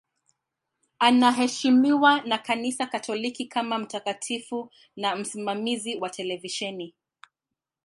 Anaheshimiwa na Kanisa Katoliki kama mtakatifu na msimamizi wa televisheni.